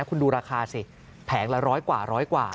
คุณดูราคาสิแผงละ๑๐๐กว่า๑๐๐กว่า